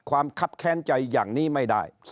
คับแค้นใจอย่างนี้ไม่ได้